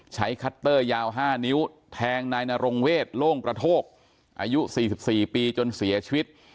คัตเตอร์ยาว๕นิ้วแทงนายนรงเวทโล่งกระโทกอายุ๔๔ปีจนเสียชีวิต